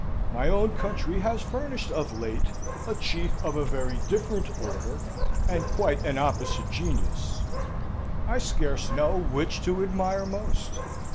My own country has furnished of late a chief of a very different order, and quite an opposite genius. I scarce know which to admire most.